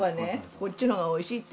こっちのほうが美味しいって。